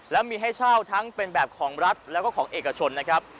และมีให้เช่าทั้งเป็นแบบของรัฐแล้วก็ของเอกชนนะครับ